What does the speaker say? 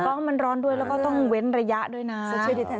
งมันร้อนด้วยแล้วก็ต้องเว้นระยะด้วยนะ